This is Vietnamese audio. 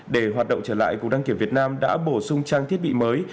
để hoạt động trở lại cục đăng kiểm việt nam đã bổ sung trang thiết bị mới